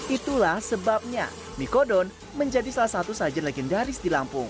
itulah sebabnya mie kodon menjadi salah satu sajian legendaris di lampung